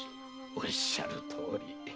おっしゃるとおり。